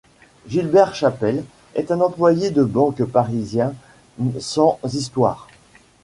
Gilbert Chapelle est un employé de banque parisien sans histoire.